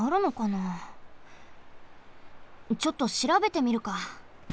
ちょっとしらべてみるか。